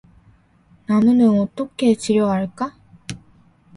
나무는 어떻게 치료할까?